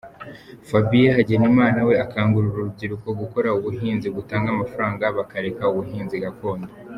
Fabien Hagenimana we akangurira uru rubyiruko gukora ubuhinzi butanga amafaranga bakareka ubuhinzi gakondo.